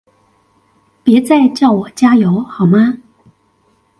別再叫我加油好嗎？